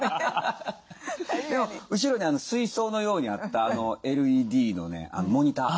でも後ろに水槽のようにあったＬＥＤのねモニター。